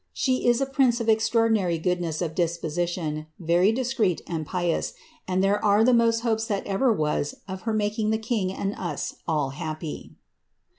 Shei>* prince of extraordinary gtKxincss of diapu^ition, very discreet and pious, ■*' there arc the most hopes that there ever was of her making the king and vttH happy."